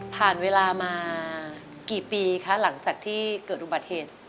เวลามากี่ปีคะหลังจากที่เกิดอุบัติเหตุ